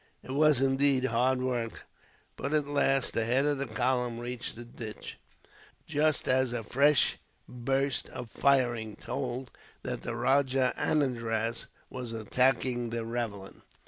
It was indeed hard work; but at last, the head of the column reached the ditch, just as a fresh burst of firing told that the Rajah Anandraz was attacking the ravelin.